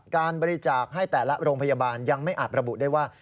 การบริจาคให้แต่ละโรงพยาบาลยังไม่อาจระบุได้ว่า